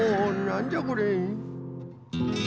なんじゃこれ？